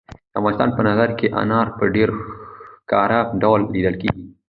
د افغانستان په منظره کې انار په ډېر ښکاره ډول لیدل کېږي.